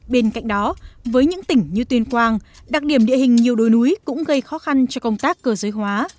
bên cạnh đó với những tỉnh như tuyên quang đặc điểm địa hình nhiều đồi núi cũng gây khó khăn cho công tác cơ giới hóa